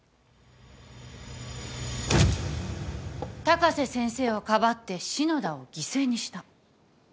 高瀬先生をかばって篠田を犠牲にした。